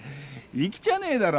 生きちゃねえだろ。